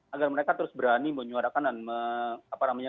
agar mereka terus berani menyuarakan dan menguatkan